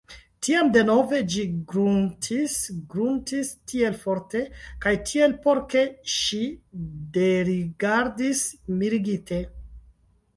Tiam denove ĝi gruntis, gruntis tiel forte kaj tiel porke, ke ŝi derigardis, mirigite.